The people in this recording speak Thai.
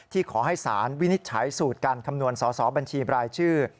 ขอให้สารวินิจฉัยสูตรการคำนวณสอสอบัญชีบรายชื่อ